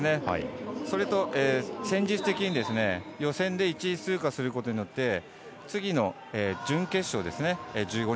それと、戦術的に予選で１位通過することによって１５日に行われる次の準決勝ですね。